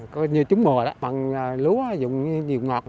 có như trúng mùa mần lúa dùng nhiều ngọt